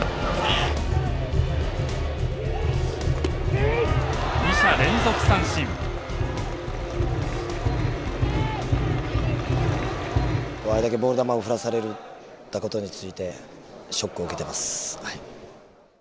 あれだけボール球を振らされたことについてショックを受けてますはい。